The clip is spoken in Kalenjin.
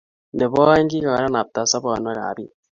Nebo aeng, kikokalpta sobonwek ab biik